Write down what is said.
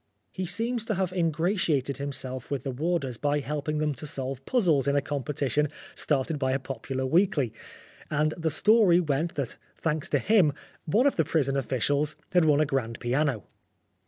He seems to have ingratiated himself with the warders by helping them to solve puzzles in a competition started by a popular weekly ; and the story went that, thanks to him, one of the prison officials had won a grand piano.